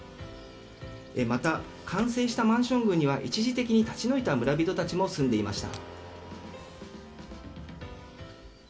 また、完成したマンション群には一時的に立ち退いた村人たちも住んでいました。